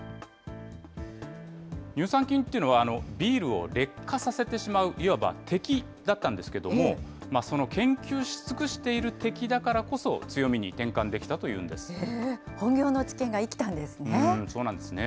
乳酸菌というのは、ビールを劣化させてしまう、いわば敵だったんですけれども、その研究し尽くしている敵だからこそ、強みに転換できたというん本業の知見が生きたんですね。